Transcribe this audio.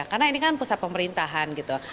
karena ini kan pusat pemerintahan gitu